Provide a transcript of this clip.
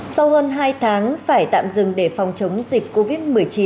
sau hơn hai tháng phải tạm dừng để phòng chống dịch covid một mươi chín